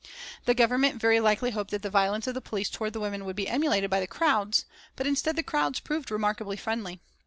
The Government very likely hoped that the violence of the police towards the women would be emulated by the crowds, but instead the crowds proved remarkably friendly.